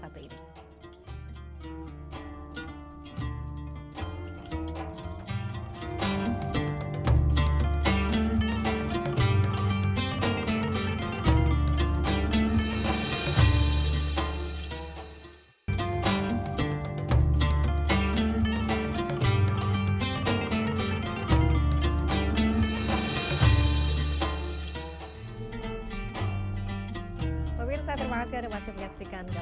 pemirsa jangan kemana mana